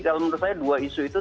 kalau menurut saya dua isu itu